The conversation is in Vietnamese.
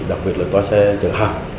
đặc biệt là toa xe chở hàng